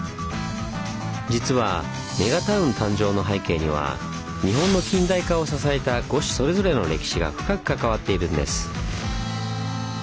実はメガタウン誕生の背景には日本の近代化を支えた五市それぞれの歴史が深く関わっているんです。